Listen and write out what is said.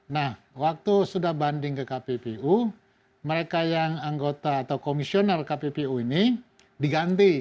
nah waktu sudah banding ke kppu mereka yang anggota atau komisioner kppu ini diganti